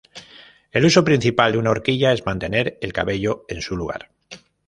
El uso principal de una horquilla es mantener el cabello en su lugar.